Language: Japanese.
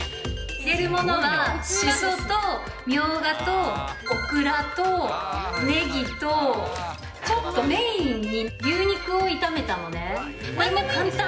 入れるものは、シソとミョウガとオクラとネギと、ちょっとメインに牛肉を炒めたのね、これも簡単。